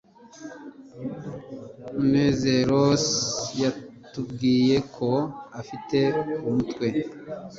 munezeroasi yatubwiye ko afite umutwe